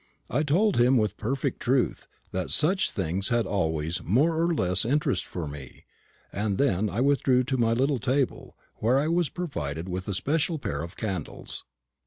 I told him, with perfect truth, that such things had always more or less interest for me; and then I withdrew to my little table, where I was provided with a special pair of candles.